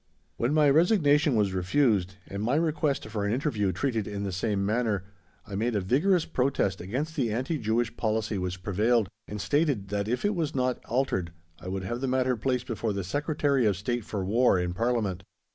When my resignation was refused and my request for an interview treated in the same manner, I made a vigorous protest against the anti Jewish policy which prevailed, and stated that if it was not altered I would have the matter placed before the Secretary of State for War in Parliament.